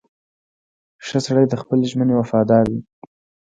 • ښه سړی د خپلې ژمنې وفادار وي.